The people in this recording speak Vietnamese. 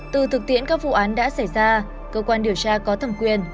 từ thực tiễn các vụ án đã xảy ra cơ quan điều tra có thẩm quyền